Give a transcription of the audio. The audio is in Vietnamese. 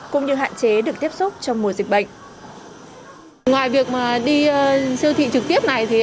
cũng như hạn chế được tiếp xúc trong mùa dịch bệnh